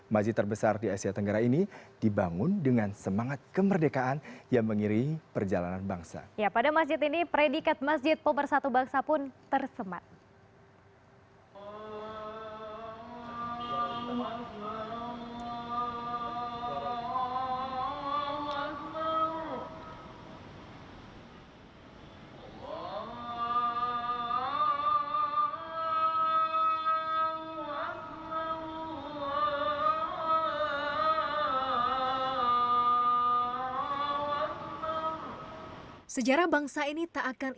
majid terbesar di asia tenggara ini dibangun dengan semangat kemerdekaan yang mengiri perjalanan bangsa